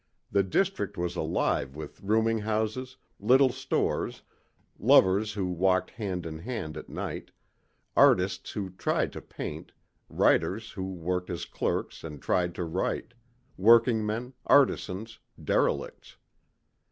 The district was alive with rooming houses, little stores, lovers who walked hand in hand at night, artists who tried to paint, writers who worked as clerks and tried to write, workingmen, artisans, derelicts.